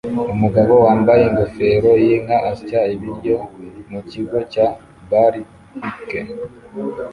Umugabo wambaye ingofero yinka asya ibiryo mukigo cya bar-b-que